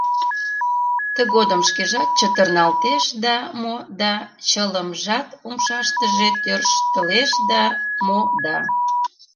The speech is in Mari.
Тыгодым шкежат чытырналтеш да мо да, чылымжат умшаштыже тӧрштылеш да мо да...